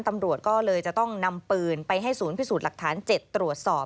ตำรวจก็เลยจะต้องนำปืนไปให้ศูนย์พิสูจน์หลักฐาน๗ตรวจสอบ